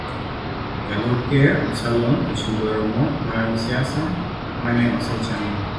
Jalup ker Absalom ochungo romo mag siasa mane osechano.